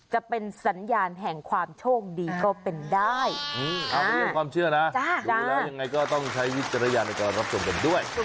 จะเป็นสัญญาณแห่งความโชคดีก็เป็นได้อืม